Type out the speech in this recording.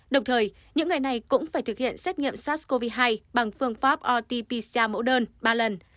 đồng thời những người này cũng phải thực hiện xét nghiệm sars cov hai bằng phương pháp rt pcr mẫu đơn ba lần